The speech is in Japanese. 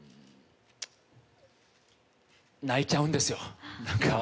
泣いちゃうんですよ。